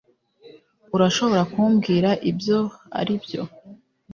urashobora kumbwira ibyo aribyo